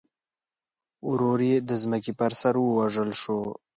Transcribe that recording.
ورور یې د ځمکې پر سر ووژل شو.